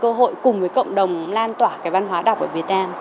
có một cái cơ hội cùng với cộng đồng lan tỏa cái văn hóa đọc ở việt nam